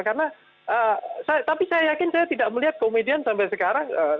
karena tapi saya yakin saya tidak melihat komedian sampai sekarang